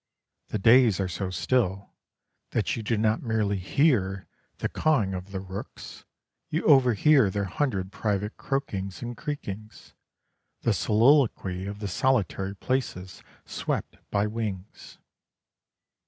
The days are so still that you do not merely hear the cawing of the rooks you overhear their hundred private croakings and creakings, the soliloquy of the solitary places swept by wings.